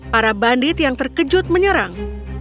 para bandit yang terkejut menyerang